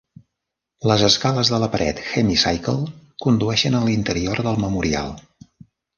Les escales de la paret Hemicycle condueixen a l'interior del Memorial.